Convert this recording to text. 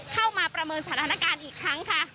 ประเมินสถานการณ์อีกครั้งค่ะ